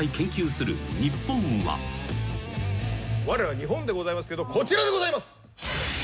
われら日本でございますけどこちらでございます。